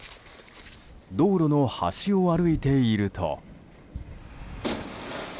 道路の端を歩いていると。